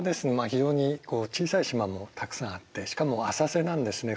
非常に小さい島もたくさんあってしかも浅瀬なんですね